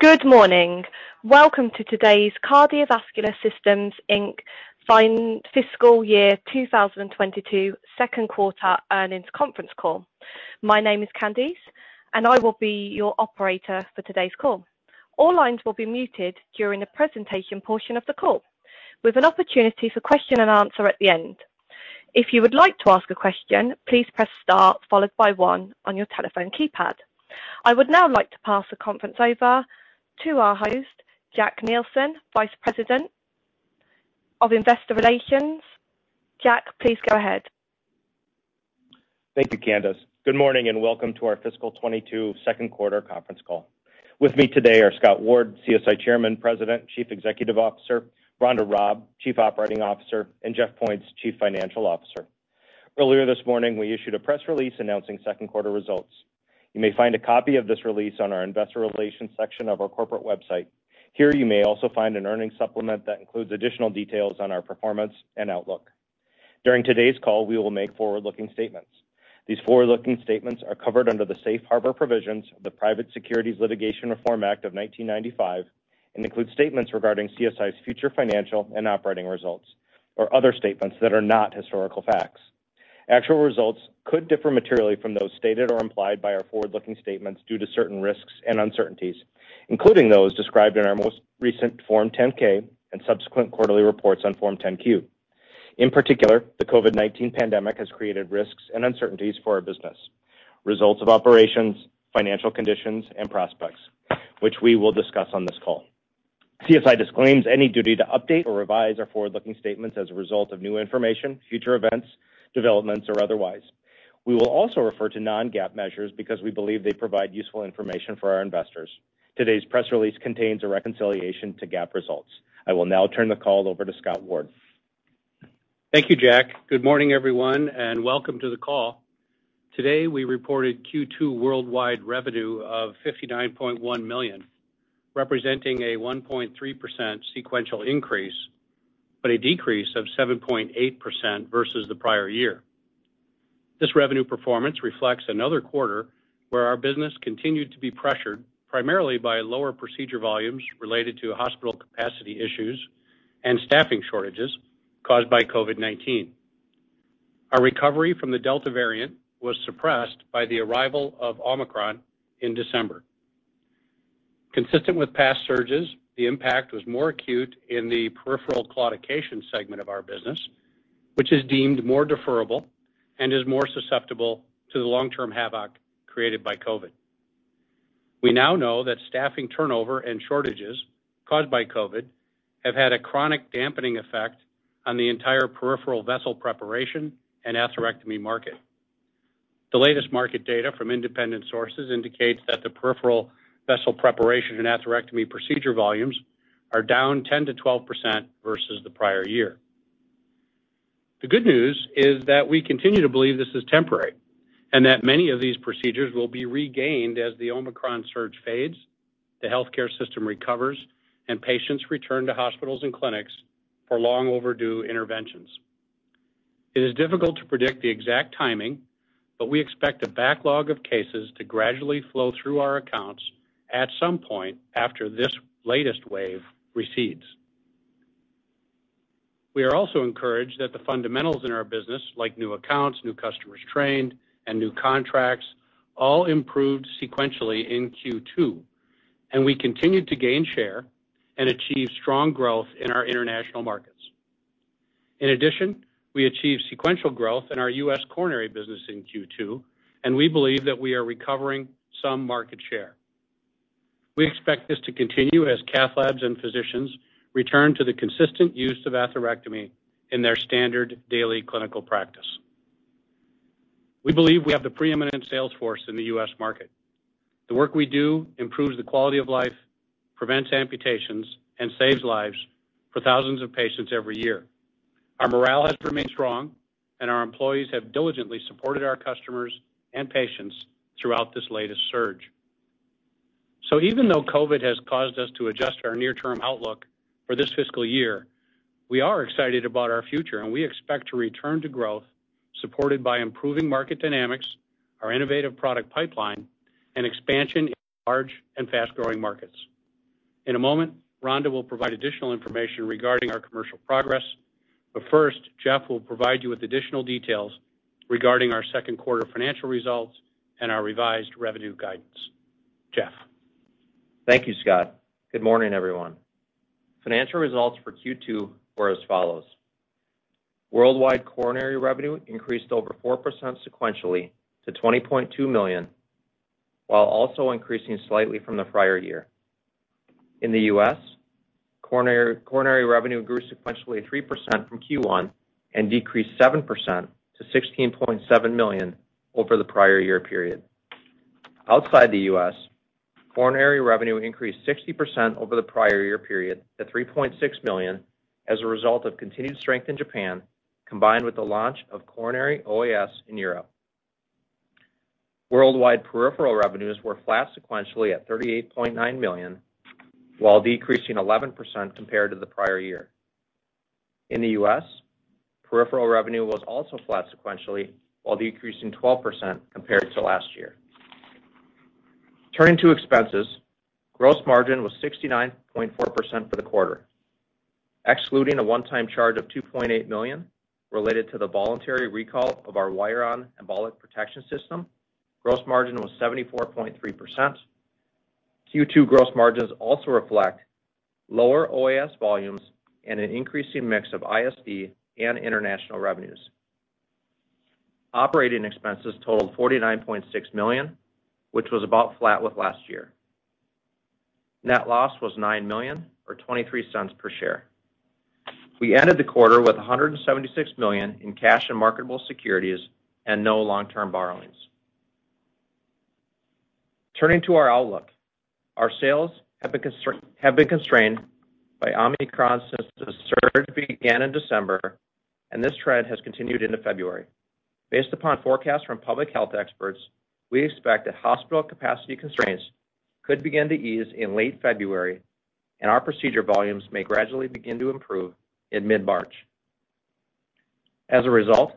Good morning. Welcome to today's Cardiovascular Systems, Inc Fiscal Year 2022 Second Quarter Earnings Conference Call. My name is Candice, and I will be your operator for today's call. All lines will be muted during the presentation portion of the call, with an opportunity for question and answer at the end. If you would like to ask a question, please press star followed by one on your telephone keypad. I would now like to pass the conference over to our host, Jack Nielsen, Vice President of Investor Relations. Jack, please go ahead. Thank you, Candice. Good morning, and Welcome to our Fiscal 2022 Second Quarter Conference Call. With me today are Scott Ward, CSI Chairman, President, Chief Executive Officer; Rhonda Robb, Chief Operating Officer, and Jeff Points, Chief Financial Officer. Earlier this morning, we issued a press release announcing second quarter results. You may find a copy of this release on our investor relations section of our corporate website. Here, you may also find an earnings supplement that includes additional details on our performance and outlook. During today's call, we will make forward-looking statements. These forward-looking statements are covered under the Safe Harbor Provisions of the Private Securities Litigation Reform Act of 1995, and include statements regarding CSI's future financial and operating results or other statements that are not historical facts. Actual results could differ materially from those stated or implied by our forward-looking statements due to certain risks and uncertainties, including those described in our most recent Form 10-K and subsequent quarterly reports on Form 10-Q. In particular, the COVID-19 pandemic has created risks and uncertainties for our business, results of operations, financial conditions and prospects, which we will discuss on this call. CSI disclaims any duty to update or revise our forward-looking statements as a result of new information, future events, developments or otherwise. We will also refer to non-GAAP measures because we believe they provide useful information for our investors. Today's press release contains a reconciliation to GAAP results. I will now turn the call over to Scott Ward. Thank you, Jack. Good morning, everyone, and welcome to the call. Today, we reported Q2 worldwide revenue of $59.1 million, representing a 1.3% sequential increase, but a decrease of 7.8% versus the prior year. This revenue performance reflects another quarter where our business continued to be pressured primarily by lower procedure volumes related to hospital capacity issues and staffing shortages caused by COVID-19. Our recovery from the Delta variant was suppressed by the arrival of Omicron in December. Consistent with past surges, the impact was more acute in the peripheral claudication segment of our business, which is deemed more deferrable and is more susceptible to the long-term havoc created by COVID-19. We now know that staffing turnover and shortages caused by COVID-19 have had a chronic dampening effect on the entire peripheral vessel preparation and atherectomy market. The latest market data from independent sources indicates that the peripheral vessel preparation and atherectomy procedure volumes are down 10%-12% versus the prior year. The good news is that we continue to believe this is temporary, and that many of these procedures will be regained as the Omicron surge fades, the healthcare system recovers, and patients return to hospitals and clinics for long overdue interventions. It is difficult to predict the exact timing, but we expect a backlog of cases to gradually flow through our accounts at some point after this latest wave recedes. We are also encouraged that the fundamentals in our business, like new accounts, new customers trained, and new contracts, all improved sequentially in Q2, and we continued to gain share and achieve strong growth in our international markets. In addition, we achieved sequential growth in our U.S. coronary business in Q2, and we believe that we are recovering some market share. We expect this to continue as cath labs and physicians return to the consistent use of atherectomy in their standard daily clinical practice. We believe we have the preeminent sales force in the U.S. market. The work we do improves the quality of life, prevents amputations, and saves lives for thousands of patients every year. Our morale has remained strong and our employees have diligently supported our customers and patients throughout this latest surge. Even though COVID has caused us to adjust our near-term outlook for this fiscal year, we are excited about our future, and we expect to return to growth supported by improving market dynamics, our innovative product pipeline, and expansion in large and fast-growing markets. In a moment, Rhonda will provide additional information regarding our commercial progress, but first, Jeff will provide you with additional details regarding our second quarter financial results and our revised revenue guidance. Jeff? Thank you, Scott. Good morning, everyone. Financial results for Q2 were as follows: worldwide coronary revenue increased over 4% sequentially to $20.2 million, while also increasing slightly from the prior year. In the U.S., coronary revenue grew sequentially 3% from Q1 and decreased 7% to $16.7 million over the prior year period. Outside the U.S., coronary revenue increased 60% over the prior year period to $3.6 million as a result of continued strength in Japan, combined with the launch of coronary OAS in Europe. Worldwide peripheral revenues were flat sequentially at $38.9 million, while decreasing 11% compared to the prior year. In the U.S., peripheral revenue was also flat sequentially, while decreasing 12% compared to last year. Turning to expenses, gross margin was 69.4% for the quarter. Excluding a one-time charge of $2.8 million related to the voluntary recall of our WIRION embolic protection system, gross margin was 74.3%. Q2 gross margins also reflect lower OAS volumes and an increasing mix of ISD and international revenues. Operating expenses totaled $49.6 million, which was about flat with last year. Net loss was $9 million or $0.23 per share. We ended the quarter with $176 million in cash and marketable securities and no long-term borrowings. Turning to our outlook. Our sales have been constrained by Omicron since the surge began in December, and this trend has continued into February. Based upon forecasts from public health experts, we expect that hospital capacity constraints could begin to ease in late February, and our procedure volumes may gradually begin to improve in mid-March. As a result,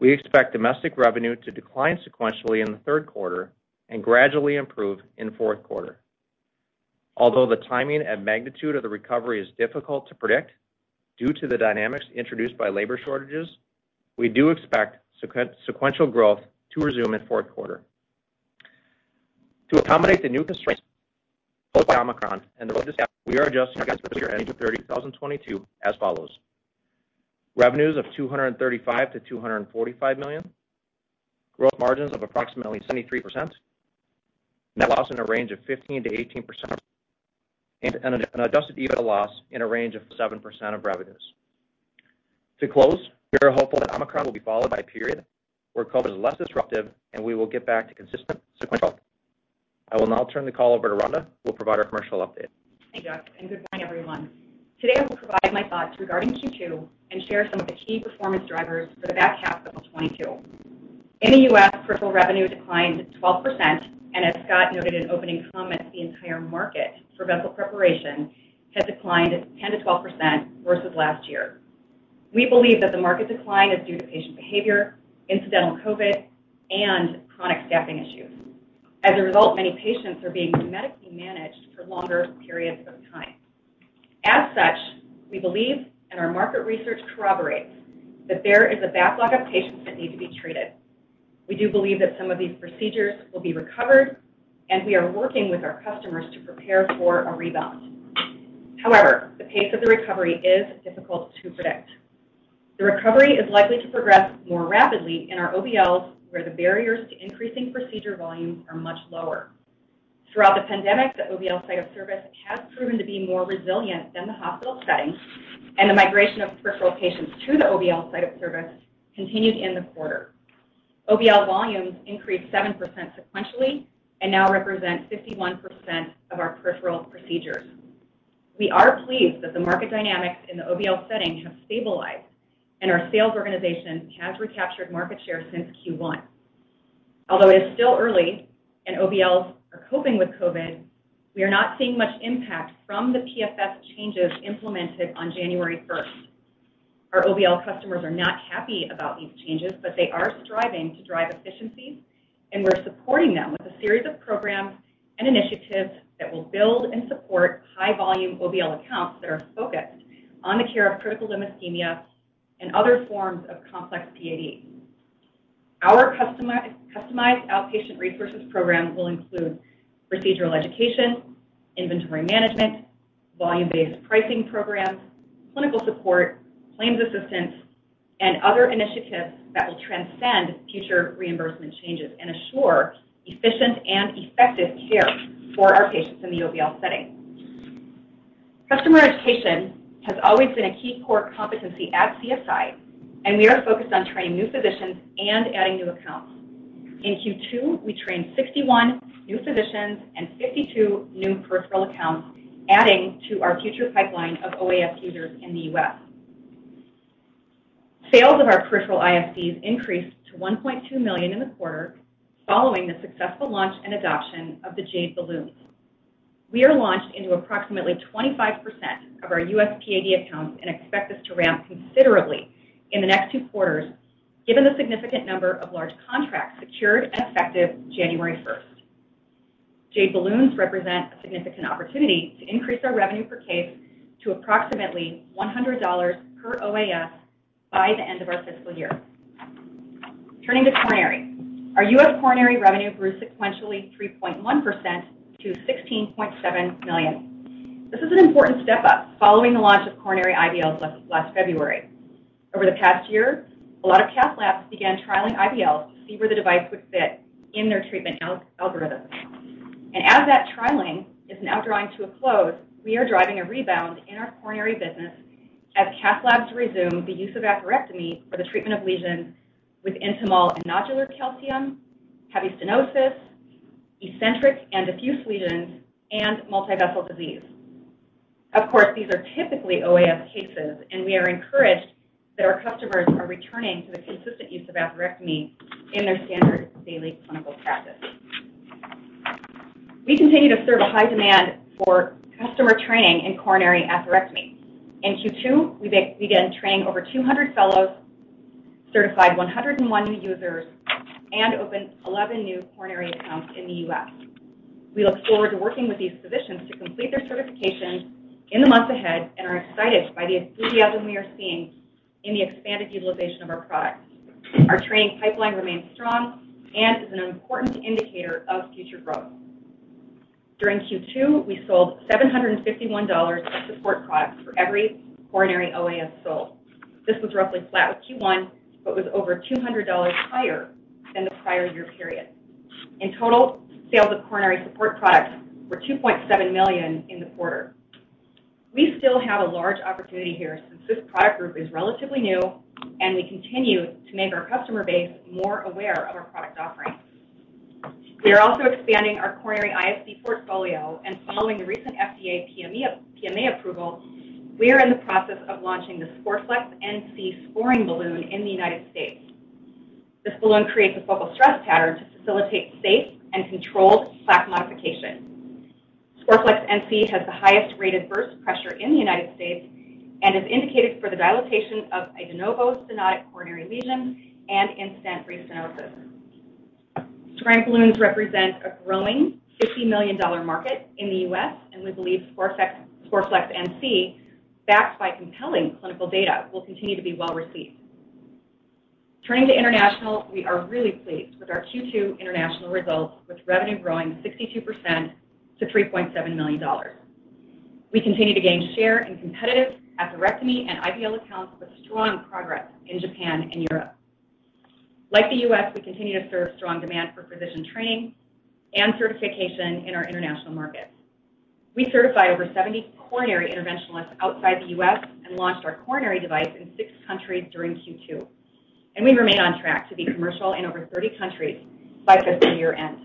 we expect domestic revenue to decline sequentially in the third quarter and gradually improve in fourth quarter. Although the timing and magnitude of the recovery is difficult to predict due to the dynamics introduced by labor shortages, we do expect sequential growth to resume in fourth quarter. To accommodate the new constraints both Omicron and the reduced capacity, we are adjusting our guidance for the year ending February 30 2022 as follows. Revenues of $235 million-$245 million, gross margins of approximately 73%, net loss in a range of 15%-18%, and an adjusted EBITDA loss in a range of 7% of revenues. To close, we are hopeful that Omicron will be followed by a period where COVID is less disruptive and we will get back to consistent sequential. I will now turn the call over to Rhonda, who will provide our commercial update. Thank you, and good morning, everyone. Today, I will provide my thoughts regarding Q2 and share some of the key performance drivers for the back half of 2022. In the U.S., peripheral revenue declined 12%, and as Scott noted in opening comments, the entire market for vessel preparation has declined 10%-12% versus last year. We believe that the market decline is due to patient behavior, incidental COVID, and chronic staffing issues. As a result, many patients are being domestically managed for longer periods of time. As such, we believe, and our market research corroborates, that there is a backlog of patients that need to be treated. We do believe that some of these procedures will be recovered, and we are working with our customers to prepare for a rebound. However, the pace of the recovery is difficult to predict. The recovery is likely to progress more rapidly in our OBLs, where the barriers to increasing procedure volumes are much lower. Throughout the pandemic, the OBL site of service has proven to be more resilient than the hospital setting, and the migration of peripheral patients to the OBL site of service continued in the quarter. OBL volumes increased 7% sequentially and now represent 51% of our peripheral procedures. We are pleased that the market dynamics in the OBL setting have stabilized and our sales organization has recaptured market share since Q1. Although it is still early and OBLs are coping with COVID, we are not seeing much impact from the PFS changes implemented on January 1st. Our OBL customers are not happy about these changes, but they are striving to drive efficiency, and we're supporting them with a series of programs and initiatives that will build and support high-volume OBL accounts that are focused on the care of critical limb ischemia and other forms of complex PAD. Our customized outpatient resources program will include procedural education, inventory management, volume-based pricing programs, clinical support, claims assistance, and other initiatives that will transcend future reimbursement changes and assure efficient and effective care for our patients in the OBL setting. Customer education has always been a key core competency at CSI, and we are focused on training new physicians and adding new accounts. In Q2, we trained 61 new physicians and 52 new peripheral accounts, adding to our future pipeline of OAS users in the U.S. Sales of our peripheral ISDs increased to $1.2 million in the quarter following the successful launch and adoption of the JADE balloons. We are launched into approximately 25% of our U.S. PAD accounts and expect this to ramp considerably in the next two quarters, given the significant number of large contracts secured and effective January 1st. JADE balloons represent a significant opportunity to increase our revenue per case to approximately $100 per OAS by the end of our fiscal year. Turning to coronary. Our U.S. coronary revenue grew sequentially 3.1% to $16.7 million. This is an important step up following the launch of coronary IVLs last February. Over the past year, a lot of cath labs began trialing IVLs to see where the device would fit in their treatment algorithms. As that trialing is now drawing to a close, we are driving a rebound in our coronary business as cath labs resume the use of atherectomy for the treatment of lesions with intimal and nodular calcium, heavy stenosis, eccentric and diffuse lesions, and multivessel disease. Of course, these are typically OAS cases, and we are encouraged that our customers are returning to the consistent use of atherectomy in their standard daily clinical practice. We continue to serve a high demand for customer training in coronary atherectomy. In Q2, we began training over 200 fellows, certified 101 new users, and opened 11 new coronary accounts in the U.S. We look forward to working with these physicians to complete their certification in the months ahead and are excited by the enthusiasm we are seeing in the expanded utilization of our products. Our training pipeline remains strong and is an important indicator of future growth. During Q2, we sold $751 of support products for every coronary OAS sold. This was roughly flat with Q1 but was over $200 higher than the prior year period. In total, sales of coronary support products were $2.7 million in the quarter. We still have a large opportunity here since this product group is relatively new, and we continue to make our customer base more aware of our product offerings. We are also expanding our coronary ISD portfolio, and following the recent FDA PMA approval, we are in the process of launching the Scoreflex NC scoring balloon in the United States. This balloon creates a focal stress pattern to facilitate safe and controlled plaque modification. Scoreflex NC has the highest rated burst pressure in the United States and is indicated for the dilatation of de novo stenotic coronary lesions and in-stent restenosis. Scoring balloons represent a growing $50 million market in the U.S., and we believe Scoreflex NC, backed by compelling clinical data, will continue to be well-received. Turning to international, we are really pleased with our Q2 international results, with revenue growing 62% to $3.7 million. We continue to gain share in competitive atherectomy and IVL accounts with strong progress in Japan and Europe. Like the U.S., we continue to see strong demand for physician training and certification in our international markets. We certified over 70 coronary interventionalists outside the U.S. and launched our coronary device in six countries during Q2, and we remain on track to be commercial in over 30 countries by fiscal year-end.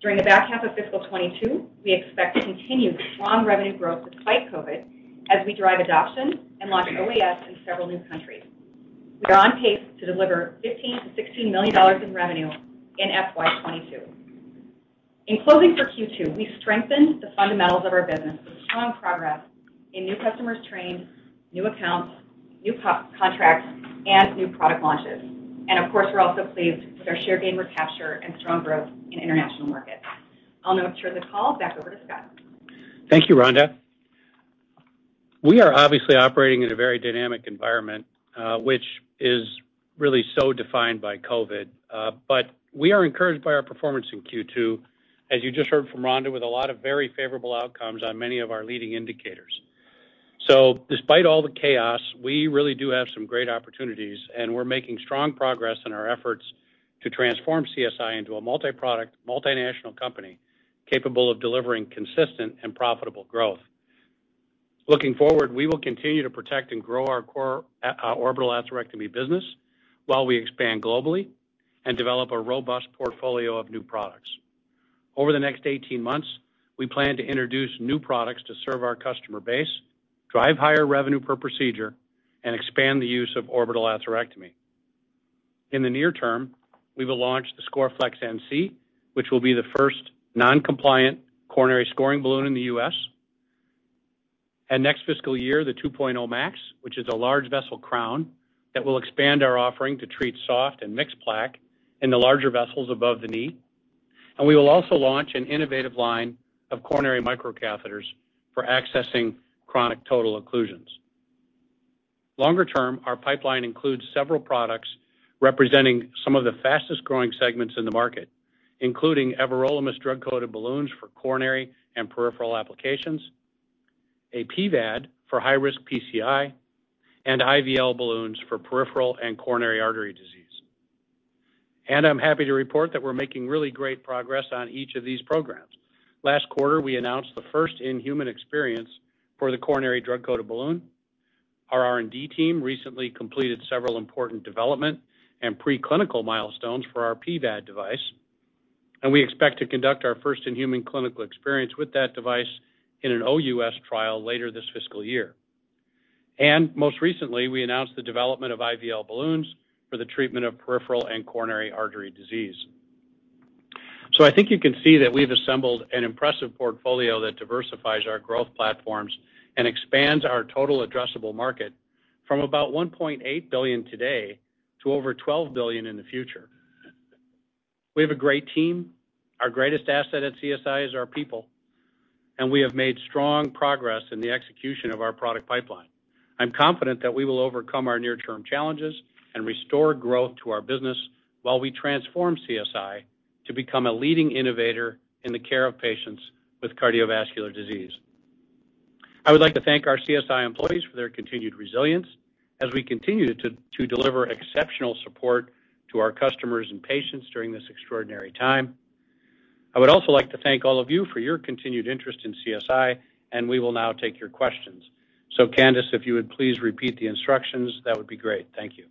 During the back half of fiscal 2022, we expect continued strong revenue growth despite COVID as we drive adoption and launch OAS in several new countries. We are on pace to deliver $15 million-$16 million in revenue in FY 2022. In closing for Q2, we strengthened the fundamentals of our business with strong progress in new customers trained, new accounts, new contracts, and new product launches. Of course, we're also pleased with our share gain recapture and strong growth in international markets. I'll now turn the call back over to Scott. Thank you, Rhonda. We are obviously operating in a very dynamic environment, which is really so defined by COVID. We are encouraged by our performance in Q2, as you just heard from Rhonda, with a lot of very favorable outcomes on many of our leading indicators. Despite all the chaos, we really do have some great opportunities, and we're making strong progress in our efforts to transform CSI into a multi-product, multinational company capable of delivering consistent and profitable growth. Looking forward, we will continue to protect and grow our core orbital atherectomy business while we expand globally and develop a robust portfolio of new products. Over the next 18 months, we plan to introduce new products to serve our customer base, drive higher revenue per procedure, and expand the use of orbital atherectomy. In the near term, we will launch the Scoreflex NC, which will be the first non-compliant coronary scoring balloon in the U.S. Next fiscal year: the 2.0 Max, which is a large vessel crown that will expand our offering to treat soft and mixed plaque in the larger vessels above the knee. We will also launch an innovative line of coronary micro catheters for accessing chronic total occlusions. Longer term, our pipeline includes several products representing some of the fastest-growing segments in the market, including everolimus drug-coated balloons for coronary and peripheral applications, a pVAD for high-risk PCI, and IVL balloons for peripheral and coronary artery disease. I'm happy to report that we're making really great progress on each of these programs. Last quarter, we announced the first-in-human experience for the coronary drug-coated balloon. Our R&D team recently completed several important development and preclinical milestones for our pVAD device, and we expect to conduct our first in-human clinical experience with that device in an OUS trial later this fiscal year. Most recently, we announced the development of IVL balloons for the treatment of peripheral and coronary artery disease. I think you can see that we've assembled an impressive portfolio that diversifies our growth platforms and expands our total addressable market from about $1.8 billion today to over $12 billion in the future. We have a great team. Our greatest asset at CSI is our people, and we have made strong progress in the execution of our product pipeline. I'm confident that we will overcome our near-term challenges and restore growth to our business while we transform CSI to become a leading innovator in the care of patients with cardiovascular disease. I would like to thank our CSI employees for their continued resilience as we continue to deliver exceptional support to our customers and patients during this extraordinary time. I would also like to thank all of you for your continued interest in CSI, and we will now take your questions. Candice, if you would please repeat the instructions, that would be great. Thank you.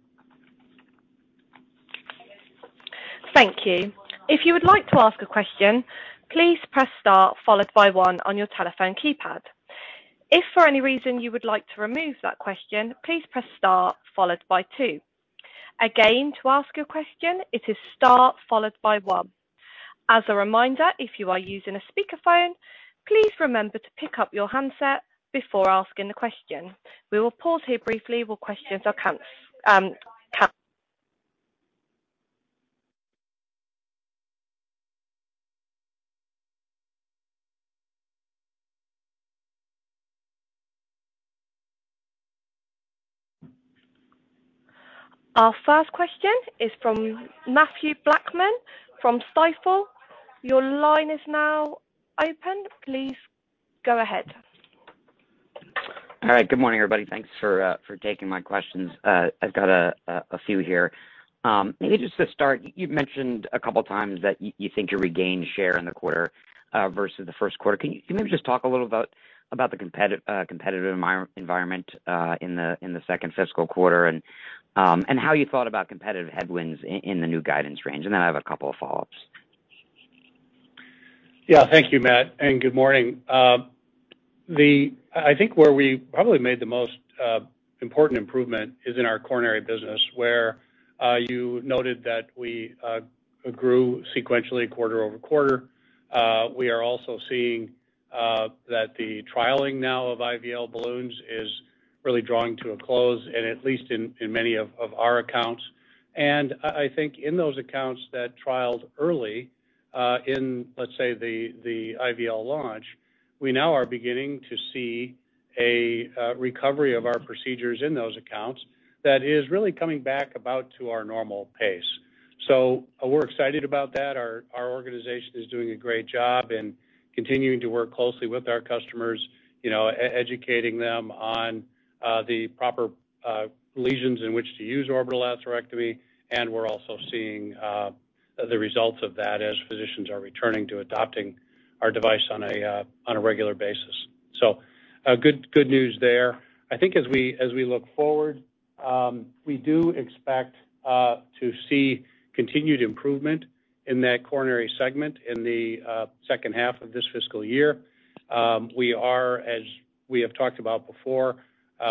Thank you. If you would like to ask a question, please press star followed by one on your telephone keypad. Our first question is from Mathew Blackman from Stifel. Your line is now open. Please go ahead. All right. Good morning, everybody. Thanks for taking my questions. I've got a few here. Maybe just to start, you've mentioned a couple of times that you think you regained share in the quarter versus the first quarter. Can you maybe just talk a little about the competitive environment in the second fiscal quarter and how you thought about competitive headwinds in the new guidance range, and then I have a couple of follow-ups. Yeah. Thank you, Mat, and good morning. I think where we probably made the most important improvement is in our coronary business, where you noted that we grew sequentially quarter-over-quarter. We are also seeing that the trialing now of IVL balloons is really drawing to a close and at least in many of our accounts. I think in those accounts that trialed early in, let's say, the IVL launch, we now are beginning to see a recovery of our procedures in those accounts that is really coming back about to our normal pace. We're excited about that. Our organization is doing a great job in continuing to work closely with our customers, you know, educating them on the proper lesions in which to use orbital atherectomy, and we're also seeing the results of that as physicians are returning to adopting our device on a regular basis. Good news there. I think as we look forward, we do expect to see continued improvement in that coronary segment in the second half of this fiscal year. We are, as we have talked about before,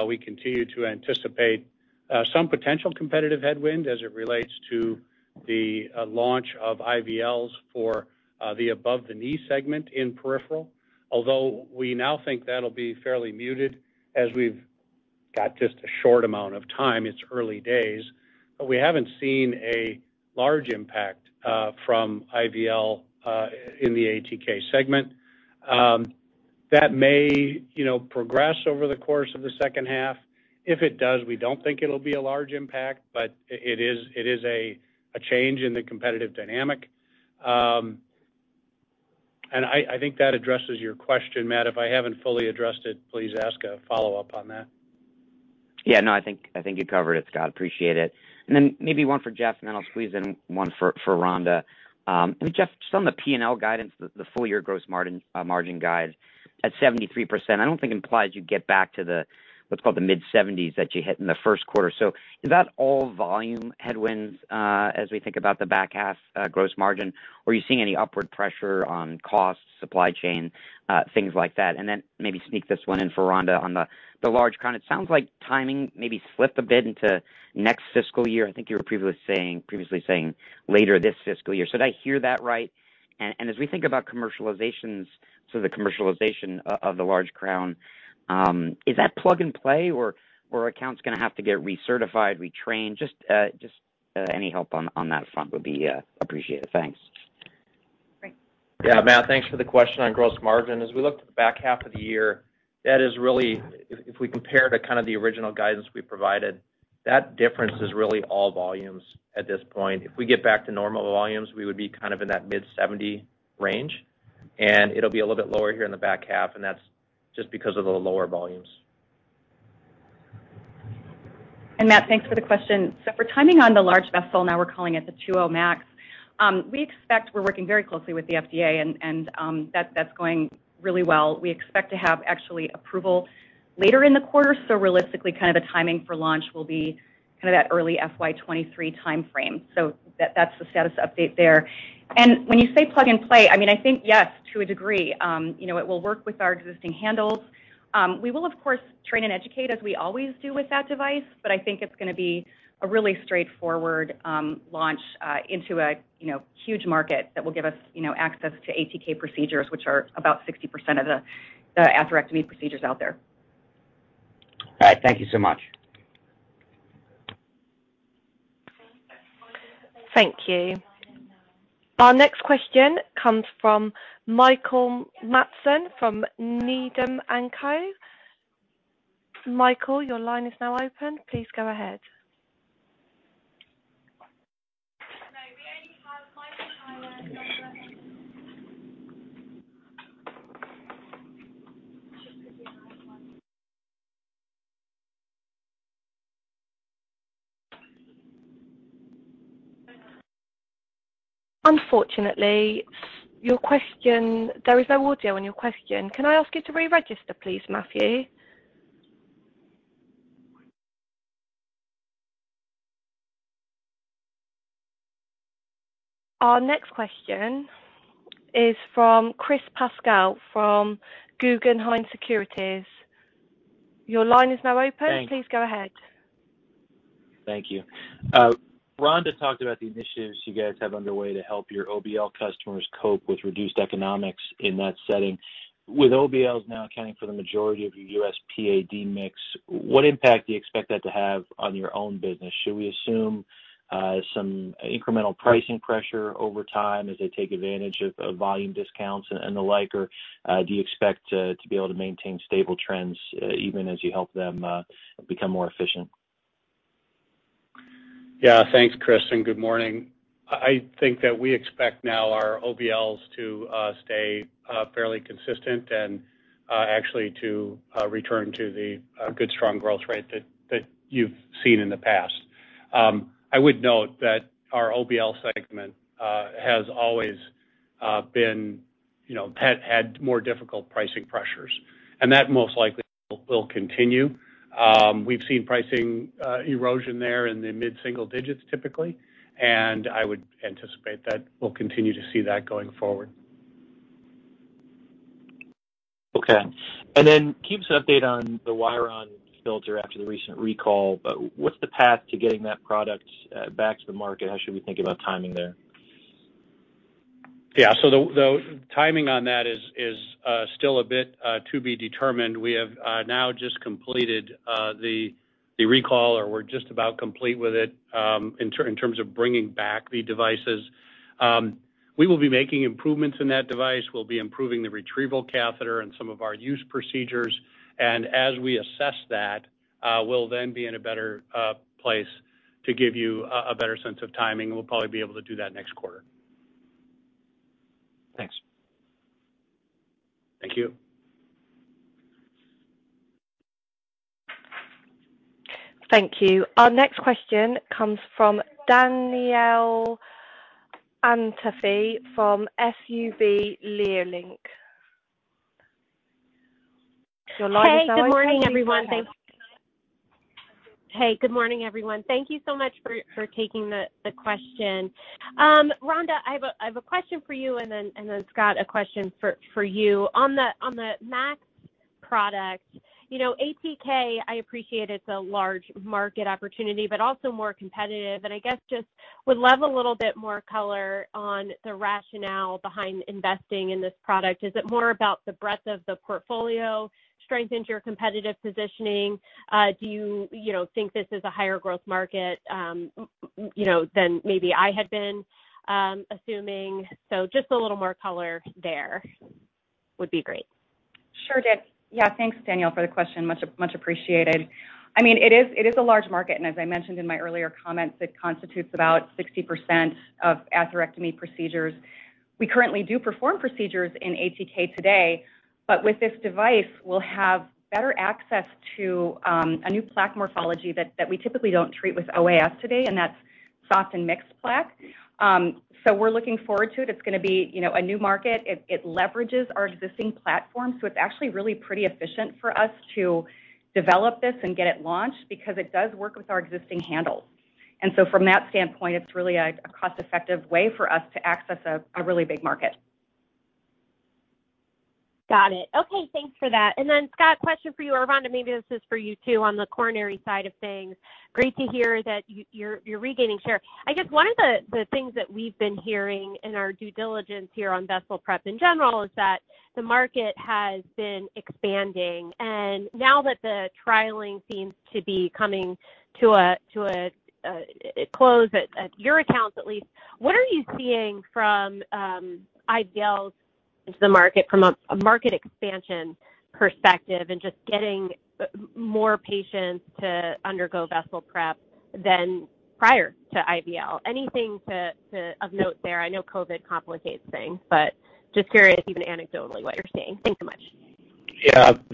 we continue to anticipate some potential competitive headwind as it relates to the launch of IVLs for the above-the-knee segment in peripheral. Although we now think that'll be fairly muted as we've got just a short amount of time, it's early days. We haven't seen a large impact from IVL in the ATK segment. That may progress over the course of the second half. If it does, we don't think it'll be a large impact, but it is a change in the competitive dynamic. I think that addresses your question, Mat. If I haven't fully addressed it, please ask a follow-up on that. Yeah. No, I think you covered it, Scott. Appreciate it. Then maybe one for Jeff, and then I'll squeeze in one for Rhonda. I mean, Jeff, just on the P&L guidance, the full-year gross margin guide at 73%, I don't think implies you get back to what's called the mid-seventies that you hit in the first quarter. Is that all volume headwinds, as we think about the back half, gross margin, or are you seeing any upward pressure on costs, supply chain, things like that? Then maybe sneak this one in for Rhonda on the large crown. It sounds like timing maybe slipped a bit into next fiscal year. I think you were previously saying later this fiscal year. Did I hear that right? As we think about commercialization of the large crown, is that plug and play or are accounts gonna have to get recertified, retrained? Just any help on that front would be appreciated. Thanks. Great. Yeah. Mat, thanks for the question on gross margin. As we look to the back half of the year, that is really if we compare to kind of the original guidance we provided, that difference is really all volumes at this point. If we get back to normal volumes, we would be kind of in that mid-70 range, and it'll be a little bit lower here in the back half, and that's just because of the lower volumes. Mat, thanks for the question. For timing on the large vessel: now we're calling it the 2.0 Max. We expect we're working very closely with the FDA, and that's going really well. We expect to have actually approval later in the quarter. Realistically, kind of the timing for launch will be kind of that early FY 2023 timeframe. That's the status update there. When you say plug and play, I mean, I think, yes, to a degree. You know, it will work with our existing handles. We will, of course, train and educate as we always do with that device, but I think it's gonna be a really straightforward launch into a, you know, huge market that will give us, you know, access to ATK procedures, which are about 60% of the atherectomy procedures out there. All right. Thank you so much. Thank you. Our next question comes from Michael Matson from Needham & Co Michael, your line is now open. Please go ahead. No, we only have Michael. Unfortunately, your question, there is no audio on your question. Can I ask you to re-register, please, Michael? Our next question is from Chris Pasquale from Guggenheim Securities. Your line is now open. Thanks. Please go ahead. Thank you. Rhonda talked about the initiatives you guys have underway to help your OBL customers cope with reduced economics in that setting. With OBLs now accounting for the majority of your U.S. PAD mix, what impact do you expect that to have on your own business? Should we assume some incremental pricing pressure over time as they take advantage of volume discounts and the like? Or do you expect to be able to maintain stable trends even as you help them become more efficient? Yeah. Thanks, Chris, and good morning. I think that we expect now our OBLs to stay fairly consistent and actually to return to the good strong growth rate that you've seen in the past. I would note that our OBL segment has always been, you know, had more difficult pricing pressures, and that most likely will continue. We've seen pricing erosion there in the mid-single digits typically, and I would anticipate that we'll continue to see that going forward. Okay. Can you please update on the WIRION filter after the recent recall? What's the path to getting that product back to the market? How should we think about timing there? Yeah. The timing on that is still a bit to be determined. We have now just completed the recall, or we're just about complete with it, in terms of bringing back the devices. We will be making improvements in that device. We'll be improving the retrieval catheter and some of our use procedures. As we assess that, we'll then be in a better place to give you a better sense of timing. We'll probably be able to do that next quarter. Thanks. Thank you. Thank you. Our next question comes from Danielle Antalffy from SVB Leerink. Your line is now open. Hey, good morning, everyone. Please go ahead. Hey, good morning, everyone. Thank you so much for taking the question. Rhonda, I have a question for you, and then Scott, a question for you. On the MAX product, you know, ATK, I appreciate it's a large market opportunity but also more competitive. I guess just would love a little bit more color on the rationale behind investing in this product. Is it more about the breadth of the portfolio strengthens your competitive positioning? Do you know, think this is a higher growth market, you know, than maybe I had been assuming? Just a little more color there would be great. Sure did. Yeah, thanks, Danielle, for the question. Much appreciated. I mean, it is a large market, and as I mentioned in my earlier comments, it constitutes about 60% of atherectomy procedures. We currently do perform procedures in ATK today, but with this device we'll have better access to a new plaque morphology that we typically don't treat with OAS today, and that's soft and mixed plaque. So we're looking forward to it. It's gonna be, you know, a new market. It leverages our existing platform, so it's actually really pretty efficient for us to develop this and get it launched because it does work with our existing handles. From that standpoint, it's really a cost-effective way for us to access a really big market. Got it. Okay, thanks for that. Scott, question for you. Or Rhonda, maybe this is for you too on the coronary side of things. Great to hear that you're regaining share. I guess one of the things that we've been hearing in our due diligence here on vessel prep in general is that the market has been expanding. Now that the trialing seems to be coming to a close at your accounts at least, what are you seeing from IVLs into the market from a market expansion perspective and just getting more patients to undergo vessel prep than prior to IVL? Anything of note there? I know COVID complicates things, but just curious even anecdotally what you're seeing. Thanks so much.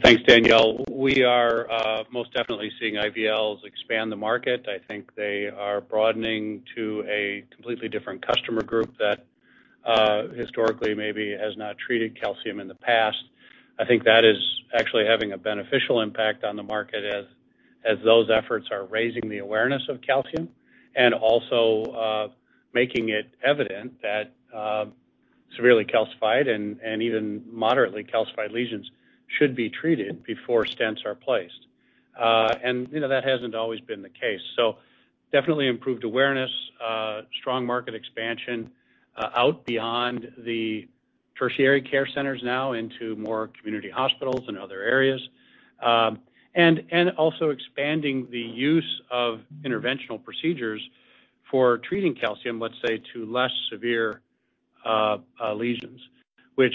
Thanks, Danielle. We are most definitely seeing IVLs expand the market. I think they are broadening to a completely different customer group that historically maybe has not treated calcium in the past. I think that is actually having a beneficial impact on the market as those efforts are raising the awareness of calcium and also making it evident that severely calcified and even moderately calcified lesions should be treated before stents are placed. You know, that hasn't always been the case. Definitely improved awareness, strong market expansion out beyond the tertiary care centers now into more community hospitals and other areas. Expanding the use of interventional procedures for treating calcium, let's say, to less severe lesions, which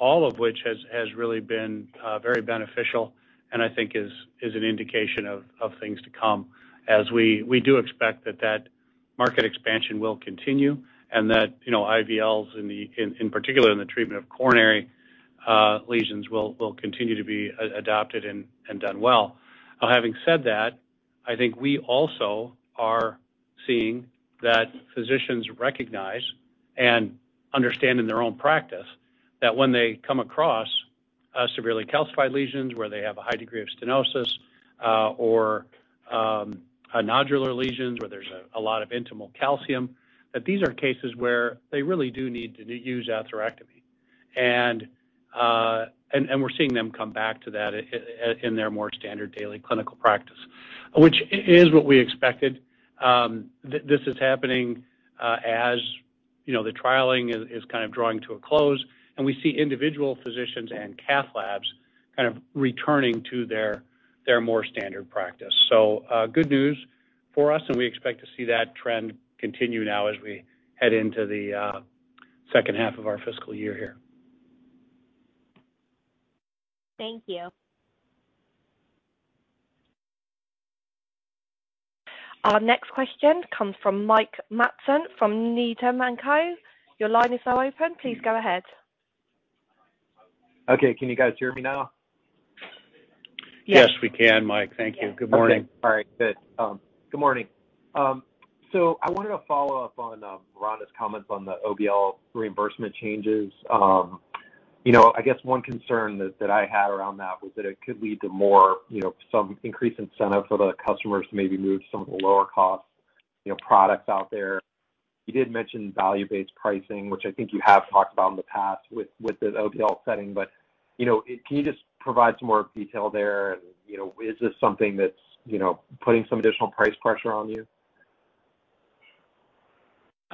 all of which has really been very beneficial and I think is an indication of things to come as we do expect that market expansion will continue and that, you know, IVLs in particular in the treatment of coronary lesions will continue to be adopted and done well. Now having said that, I think we also are seeing that physicians recognize and understand in their own practice that when they come across severely calcified lesions where they have a high degree of stenosis, or a nodular lesions where there's a lot of intimal calcium, that these are cases where they really do need to use atherectomy. We're seeing them come back to that in their more standard daily clinical practice, which is what we expected. This is happening, as you know, the trialing is kind of drawing to a close, and we see individual physicians and cath labs kind of returning to their more standard practice. Good news for us, and we expect to see that trend continue now as we head into the second half of our fiscal year here. Thank you. Our next question comes from Michael Matson from Needham & Co Your line is now open. Please go ahead. Okay. Can you guys hear me now? Yes, we can, Mike. Thank you. Good morning. Good morning. So I wanted to follow up on Rhonda's comments on the OBL reimbursement changes. You know, I guess one concern that I had around that was that it could lead to more, you know, some increased incentive for the customers to maybe move some of the lower cost, you know, products out there. You did mention value-based pricing, which I think you have talked about in the past with the OBL setting. You know, can you just provide some more detail there? You know, is this something that's, you know, putting some additional price pressure on you?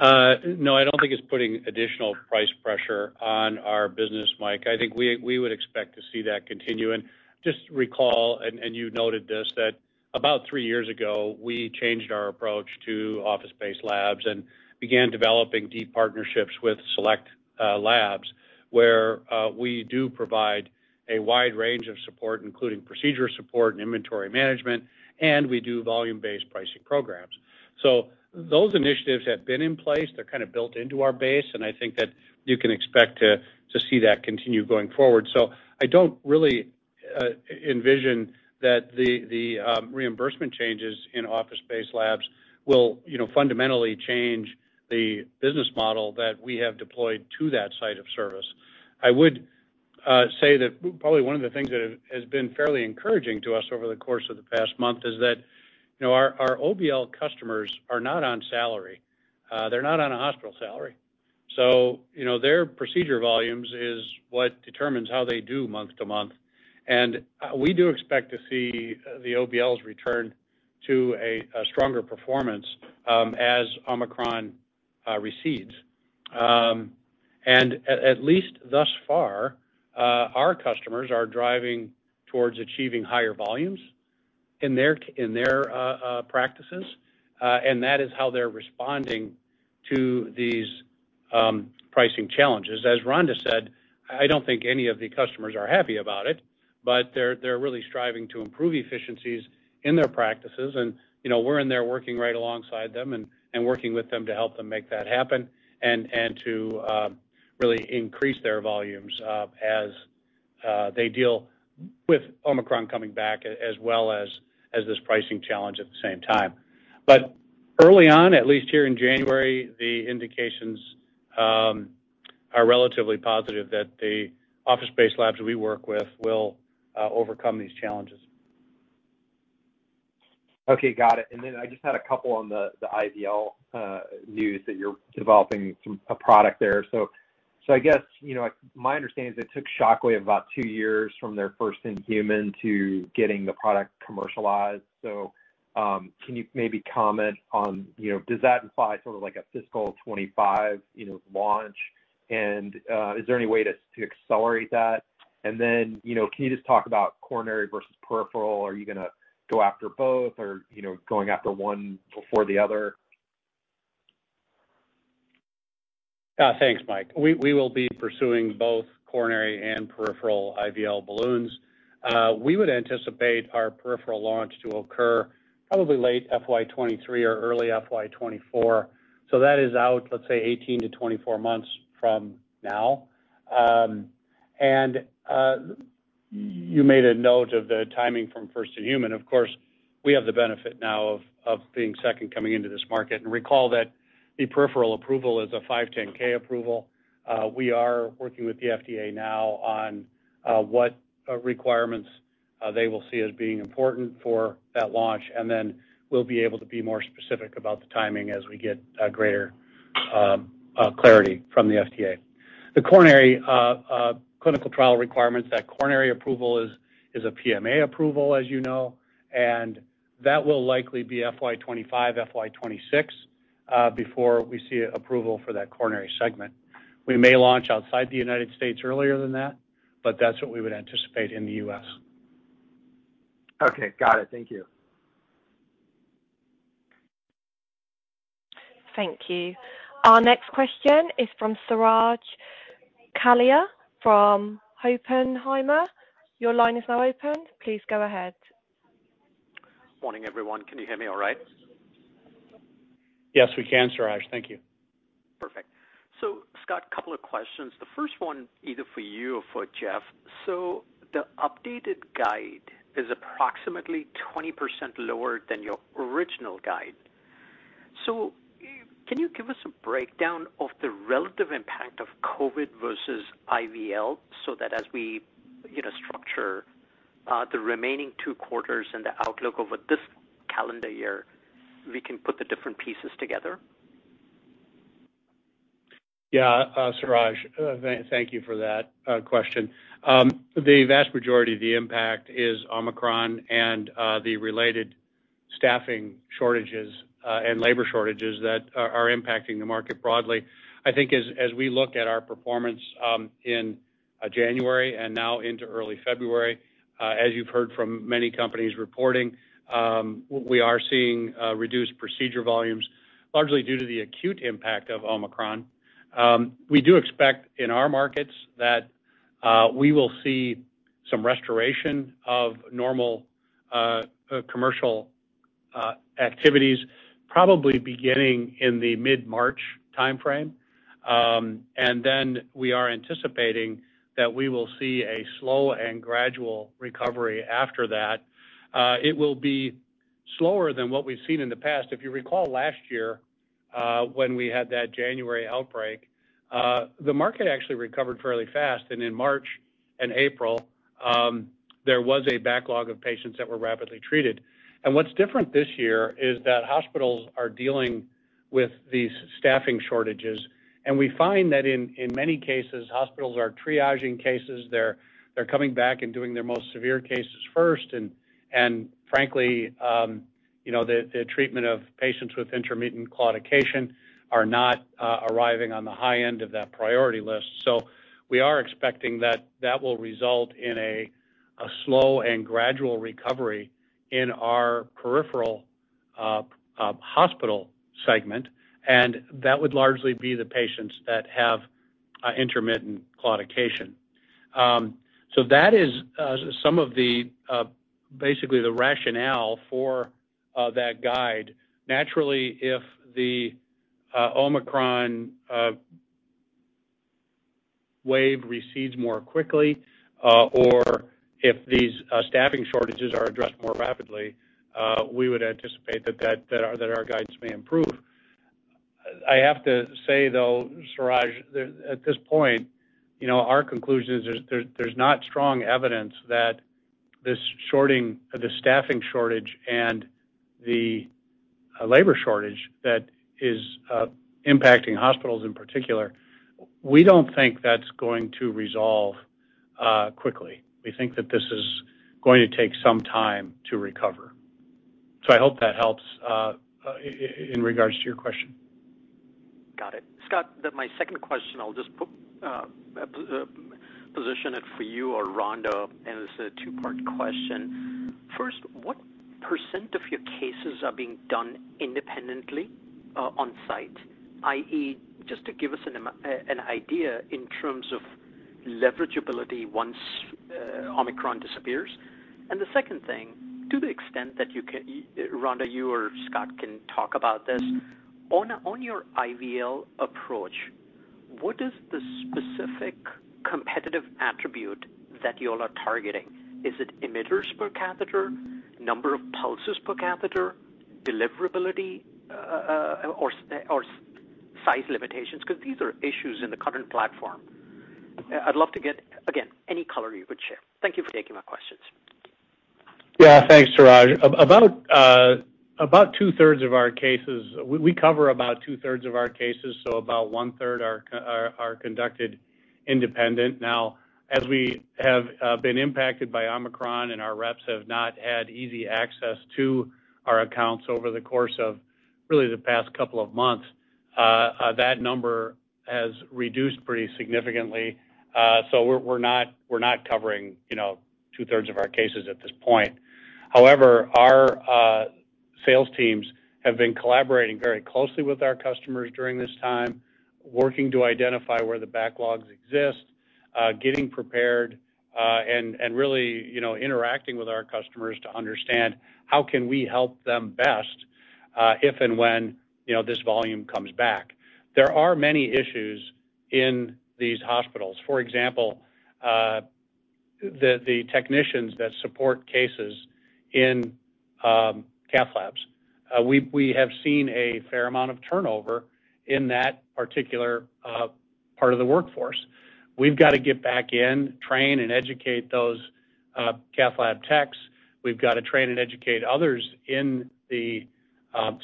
No, I don't think it's putting additional price pressure on our business, Mike. I think we would expect to see that continue. Just recall, you noted this, that about three years ago, we changed our approach to office-based labs and began developing deep partnerships with select labs where we do provide a wide range of support, including procedure support and inventory management, and we do volume-based pricing programs. Those initiatives have been in place. They're kind of built into our base, and I think that you can expect to see that continue going forward. I don't really envision that the reimbursement changes in office-based labs will, you know, fundamentally change the business model that we have deployed to that site of service. I would say that probably one of the things that has been fairly encouraging to us over the course of the past month is that, you know, our OBL customers are not on salary. They're not on a hospital salary. You know, their procedure volumes is what determines how they do month to month. We do expect to see the OBLs return to a stronger performance as Omicron recedes. At least thus far, our customers are driving towards achieving higher volumes in their practices, and that is how they're responding to these pricing challenges. As Rhonda said, I don't think any of the customers are happy about it, but they're really striving to improve efficiencies in their practices. You know, we're in there working right alongside them and working with them to help them make that happen and to really increase their volumes as they deal with Omicron coming back as well as this pricing challenge at the same time. But early on, at least here in January, the indications are relatively positive that the office-based labs we work with will overcome these challenges. Okay. Got it. I just had a couple on the IVL news that you're developing a product there. I guess, you know, my understanding is it took Shockwave about two years from their first in human to getting the product commercialized. Can you maybe comment on, you know, does that imply sort of like a fiscal 2025 launch? Is there any way to accelerate that? Can you just talk about coronary versus peripheral? Are you gonna go after both or going after one before the other? Thanks, Mike. We will be pursuing both coronary and peripheral IVL balloons. We would anticipate our peripheral launch to occur probably late FY 2023 or early FY 2024. That is out, let's say, 18-24 months from now. You made a note of the timing from first in human. Of course, we have the benefit now of being second coming into this market. Recall that the peripheral approval is a 510(k) approval. We are working with the FDA now on what requirements they will see as being important for that launch, and then we'll be able to be more specific about the timing as we get greater clarity from the FDA. The coronary clinical trial requirements at coronary approval is a PMA approval, as you know, and that will likely be FY 2025-FY 2026, before we see approval for that coronary segment. We may launch outside the United States earlier than that, but that's what we would anticipate in the U.S. Okay. Got it. Thank you. Thank you. Our next question is from Suraj Kalia from Oppenheimer. Your line is now open. Please go ahead. Morning, everyone. Can you hear me all right? Yes, we can, Suraj. Thank you. Perfect. Scott, couple of questions. The first one either for you or for Jeff. The updated guide is approximately 20% lower than your original guide. Can you give us a breakdown of the relative impact of COVID versus IVL so that as we, you know, structure the remaining two quarters and the outlook over this calendar year, we can put the different pieces together? Yeah. Suraj, thank you for that question. The vast majority of the impact is Omicron and the related staffing shortages and labor shortages that are impacting the market broadly. I think as we look at our performance in January and now into early February, as you've heard from many companies reporting, we are seeing reduced procedure volumes largely due to the acute impact of Omicron. We do expect in our markets that we will see some restoration of normal commercial activities probably beginning in the mid-March timeframe. Then we are anticipating that we will see a slow and gradual recovery after that. It will be slower than what we've seen in the past. If you recall last year, when we had that January outbreak, the market actually recovered fairly fast. In March and April, there was a backlog of patients that were rapidly treated. What's different this year is that hospitals are dealing with these staffing shortages. We find that in many cases, hospitals are triaging cases. They're coming back and doing their most severe cases first. Frankly, you know, the treatment of patients with intermittent claudication are not arriving on the high end of that priority list. We are expecting that will result in a slow and gradual recovery in our peripheral hospital segment, and that would largely be the patients that have intermittent claudication. That is some of the basically the rationale for that guide. Naturally, if the Omicron wave recedes more quickly or if these staffing shortages are addressed more rapidly, we would anticipate that our guidance may improve. I have to say though, Suraj, at this point, you know, our conclusion is there's not strong evidence that this staffing shortage and the labor shortage that is impacting hospitals in particular, we don't think that's going to resolve quickly. We think that this is going to take some time to recover. I hope that helps in regards to your question. Got it. Scott, my second question, I'll just position it for you or Rhonda, and it's a two-part question. First, what percent of your cases are being done independently on site? i.e., just to give us an idea in terms of leverageability once Omicron disappears. The second thing, to the extent that you can, Rhonda, you or Scott can talk about this. On your IVL approach, what is the specific competitive attribute that you all are targeting? Is it emitters per catheter, number of pulses per catheter, deliverability, or size limitations? Because these are issues in the current platform. I'd love to get, again, any color you would share. Thank you for taking my questions. Yeah. Thanks, Suraj. We cover about 2/3 of our cases, so about 1/3 are conducted independent. Now, as we have been impacted by Omicron and our reps have not had easy access to our accounts over the course of really the past couple of months, that number has reduced pretty significantly. So we're not covering, you know, 2/3 of our cases at this point. However, our sales teams have been collaborating very closely with our customers during this time, working to identify where the backlogs exist, getting prepared, and really, you know, interacting with our customers to understand how can we help them best, if and when, you know, this volume comes back. There are many issues in these hospitals. For example, the technicians that support cases in cath labs. We have seen a fair amount of turnover in that particular part of the workforce. We've got to get back in, train, and educate those cath lab techs. We've got to train and educate others in the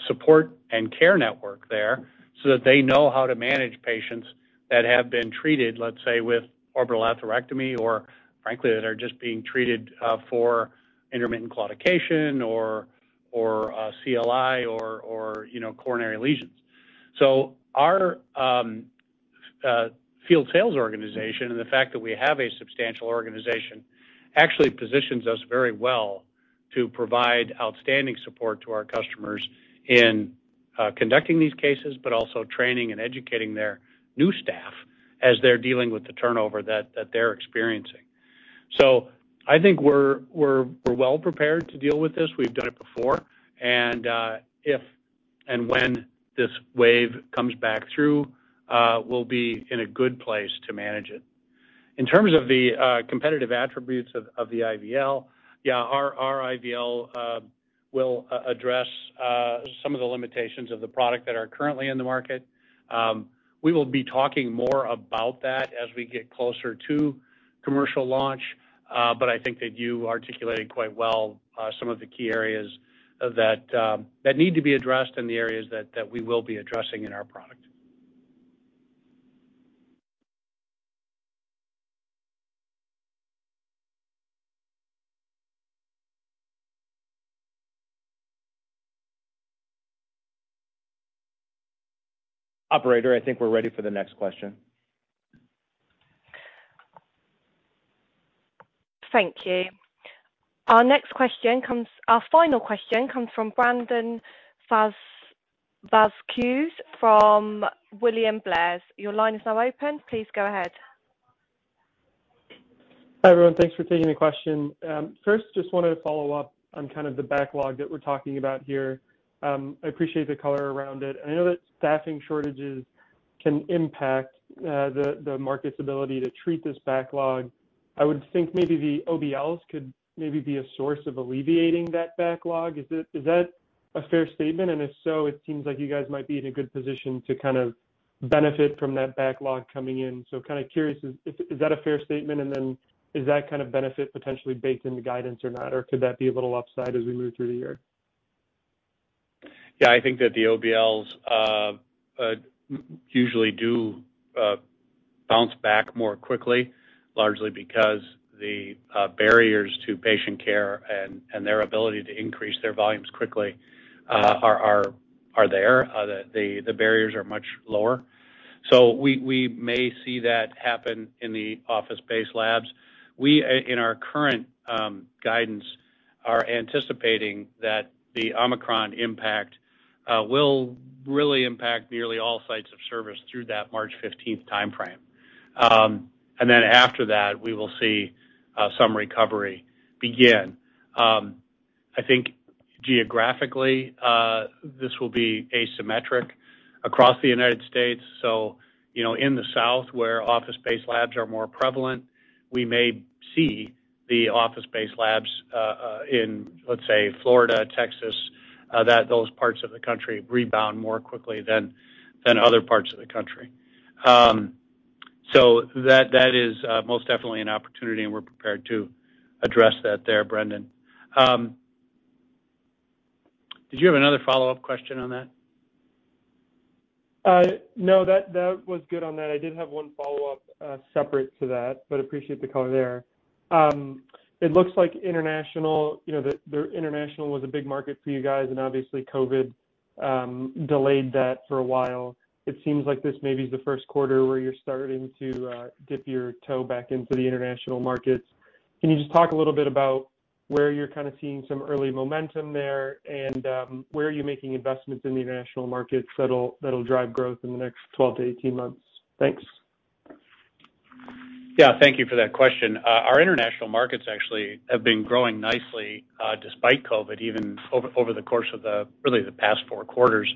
support and care network there so that they know how to manage patients that have been treated, let's say, with orbital atherectomy or frankly, that are just being treated for intermittent claudication or CLI or, you know, coronary lesions. Our field sales organization and the fact that we have a substantial organization actually positions us very well to provide outstanding support to our customers in conducting these cases, but also training and educating their new staff as they're dealing with the turnover that they're experiencing. I think we're well prepared to deal with this. We've done it before. If and when this wave comes back through, we'll be in a good place to manage it. In terms of the competitive attributes of the IVL, yeah, our IVL will address some of the limitations of the product that are currently in the market. We will be talking more about that as we get closer to commercial launch. I think that you articulated quite well some of the key areas that need to be addressed and the areas that we will be addressing in our product. Operator, I think we're ready for the next question. Thank you. Our final question comes from Brandon Vazquez from William Blair. Your line is now open. Please go ahead. Hi, everyone. Thanks for taking the question. First, just wanted to follow up on kind of the backlog that we're talking about here. I appreciate the color around it. I know that staffing shortages can impact the market's ability to treat this backlog. I would think maybe the OBLs could maybe be a source of alleviating that backlog. Is that a fair statement? If so, it seems like you guys might be in a good position to kind of benefit from that backlog coming in. Kind of curious, is that a fair statement? Then is that kind of benefit potentially baked into guidance or not? Or could that be a little upside as we move through the year? Yeah. I think that the OBLs usually do bounce back more quickly, largely because the barriers to patient care and their ability to increase their volumes quickly are there. The barriers are much lower. We may see that happen in the office-based labs. We in our current guidance are anticipating that the Omicron impact will really impact nearly all sites of service through that March 15th timeframe. Then after that, we will see some recovery begin. I think geographically this will be asymmetric across the United States. You know, in the South, where office-based labs are more prevalent, we may see the office-based labs in, let's say, Florida, Texas, that those parts of the country rebound more quickly than other parts of the country. That is most definitely an opportunity, and we're prepared to address that there, Brandon. Did you have another follow-up question on that? No. That was good on that. I did have one follow-up separate to that, but appreciate the color there. It looks like international, you know, the international was a big market for you guys, and obviously COVID delayed that for a while. It seems like this maybe is the first quarter where you're starting to dip your toe back into the international markets. Can you just talk a little bit about where you're kind of seeing some early momentum there and where are you making investments in the international markets that'll drive growth in the next 12-18 months? Thanks. Yeah. Thank you for that question. Our international markets actually have been growing nicely, despite COVID even over the course of really the past four quarters.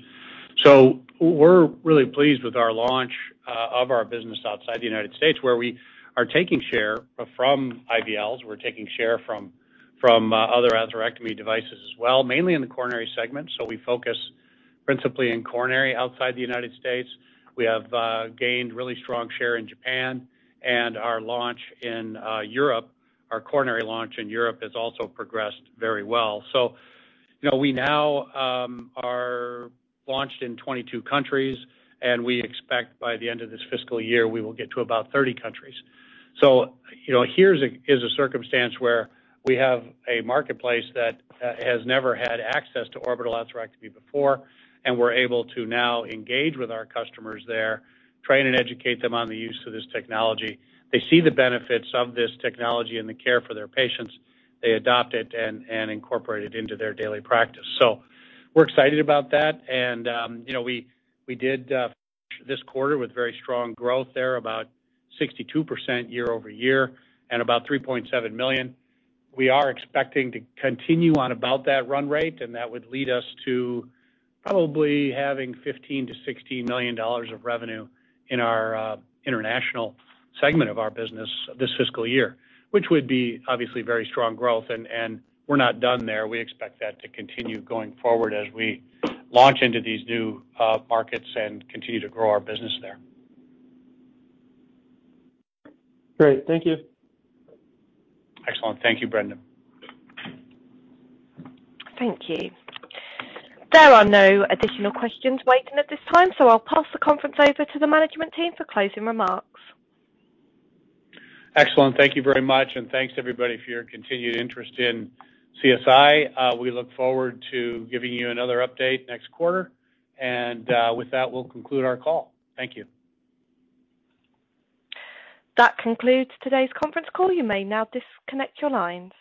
We're really pleased with our launch of our business outside the United States, where we are taking share from IVLs. We're taking share from other atherectomy devices as well, mainly in the coronary segment. We focus principally in coronary outside the United States. We have gained really strong share in Japan. Our launch in Europe, our coronary launch in Europe has also progressed very well. You know, we now are launched in 22 countries, and we expect by the end of this fiscal year, we will get to about 30 countries. You know, here's a circumstance where we have a marketplace that has never had access to orbital atherectomy before, and we're able to now engage with our customers there, train and educate them on the use of this technology. They see the benefits of this technology and the care for their patients. They adopt it and incorporate it into their daily practice. We're excited about that. We did this quarter with very strong growth there, about 62% year-over-year and about $3.7 million. We are expecting to continue on about that run rate, and that would lead us to probably having $15 million-$16 million of revenue in our international segment of our business this fiscal year, which would be obviously very strong growth. We're not done there. We expect that to continue going forward as we launch into these new markets and continue to grow our business there. Great. Thank you. Excellent. Thank you, Brandon. Thank you. There are no additional questions waiting at this time, so I'll pass the conference over to the management team for closing remarks. Excellent. Thank you very much, and thanks everybody for your continued interest in CSI. We look forward to giving you another update next quarter. With that, we'll conclude our call. Thank you. That concludes today's conference call. You may now disconnect your lines.